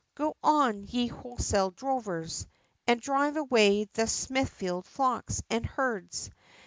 Go on, ye wholesale drovers! And drive away the Smithfield flocks and herds!